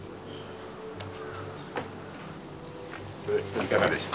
いかがでした？